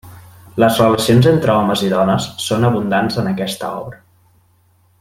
Les relacions entre homes i dones són abundants en aquesta obra.